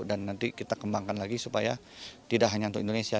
dan nanti kita kembangkan lagi supaya tidak hanya untuk indonesia